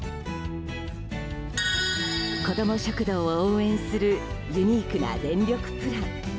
子ども食堂を応援するユニークな電力プラン。